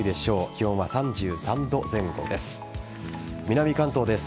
気温は３３度前後です。